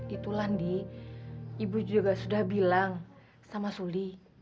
itu landi ibu juga sudah bilang sama suli